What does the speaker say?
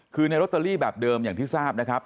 คือในลอตเตอรี่แบบเดิมอย่างที่ทราบนะครับ